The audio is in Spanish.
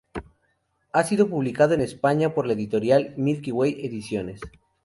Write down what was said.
Ha sido publicado en España por la editorial Milky Way Ediciones.